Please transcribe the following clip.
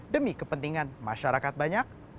demi kepentingan masyarakat banyak